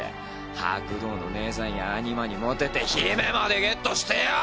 白道の姐さんやアニマにモテて姫までゲットしてよぉ！